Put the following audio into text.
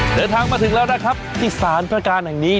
เดินทางมาถึงแล้วนะครับที่สารพระการแห่งนี้